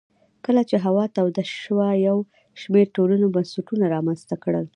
کله چې هوا توده شوه یو شمېر ټولنو بنسټونه رامنځته کړل